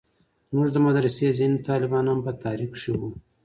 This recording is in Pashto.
زموږ د مدرسې ځينې طالبان هم په تحريک کښې وو.